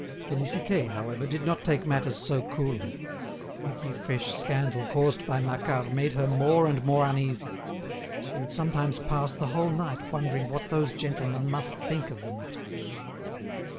Félicité, however, did not take matters so coolly; every fresh scandal caused by Macquart made her more and more uneasy; she would sometimes pass the whole night wondering what those gentlemen must think of the matter.